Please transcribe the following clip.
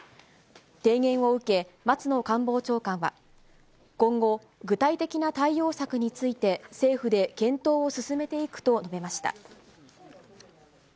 提言を受け、松野官房長官は、今後、具体的な対応策について、政府で検討を進めていくと述べました。